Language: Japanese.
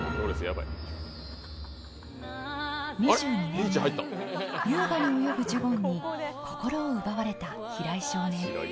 ２２年前、優雅に泳ぐジュゴンに心を奪われた平井少年。